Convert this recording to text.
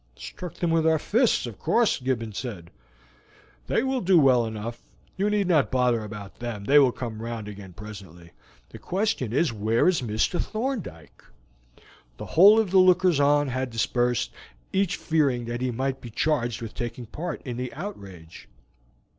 "Struck them with our fists, of course," Gibbons replied. "They will do well enough; you need not bother about them, they will come round again presently. The question is, Where is Mr. Thorndyke?" The whole of the lookers on had dispersed, each fearing that he might be charged with taking part in the outrage.